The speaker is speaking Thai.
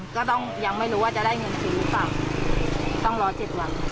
ก็ยังไม่รู้ว่าจะได้เงินคืนหรือเปล่าต้องรอ๗วัน